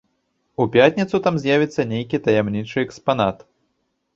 У пятніцу там з'явіцца нейкі таямнічы экспанат.